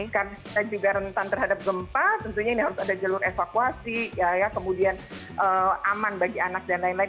karena jika rentan terhadap gempa tentunya ini harus ada jalur evakuasi kemudian aman bagi anak dan lain lain